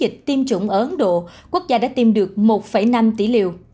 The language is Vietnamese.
trong chiến dịch tiêm chủng ở ấn độ quốc gia đã tiêm được một năm tỷ liều